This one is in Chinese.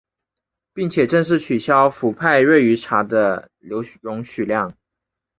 并且正式取消氟派瑞于茶的留容许量。